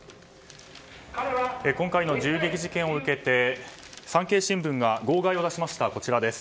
今回の銃撃事件を受けて産経新聞が号外を出しました。